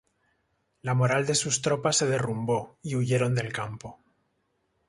La moral de sus tropas se derrumbó y huyeron del campo.